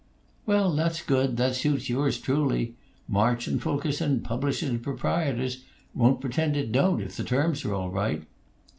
"Well, that's good; that suits yours truly; March & Fulkerson, publishers and proprietors, won't pretend it don't, if the terms are all right."